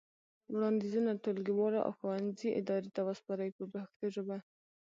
وړاندیزونه ټولګیوالو او ښوونځي ادارې ته وسپارئ په پښتو ژبه.